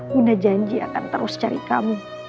guna janji akan terus cari kamu